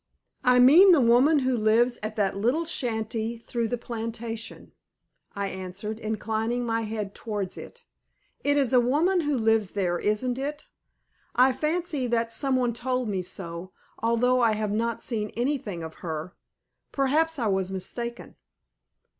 "I mean the woman who lives at that little shanty through the plantation," I answered, inclining my head towards it. "It is a woman who lives there, isn't it? I fancy that some one told me so, although I have not seen anything of her. Perhaps I was mistaken."